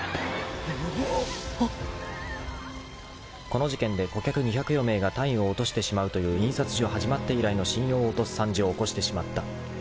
［この事件で顧客二百余名が単位を落としてしまうという印刷所始まって以来の信用を落とす惨事を起こしてしまった］